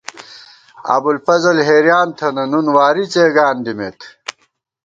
ابُوالفضل حیریان تھنہ، نُون واری څېگان دِمېت